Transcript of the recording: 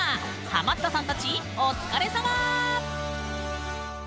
ハマったさんたち、お疲れさま！